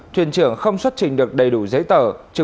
thuyền trưởng không xuất trình được đầy đủ giấy tờ